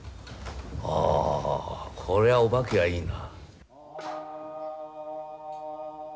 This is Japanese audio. あこれはお化けはいいな。